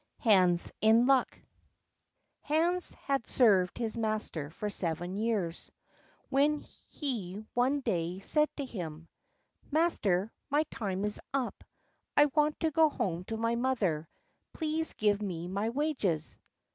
Hans in Luck Hans had served his master for seven years, when he one day said to him: "Master, my time is up; I want to go home to my mother; please give me my wages."